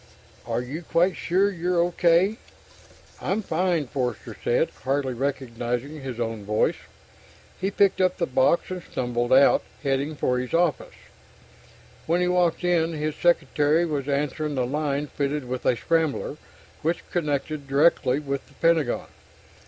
"Are you quite sure you're okay?" "I'm fine," Forster said, hardly recognizing his own voice. He picked up the box and stumbled out, heading for his office. When he walked in, his secretary was answering the line fitted with a scrambler, which connected directly with the Pentagon.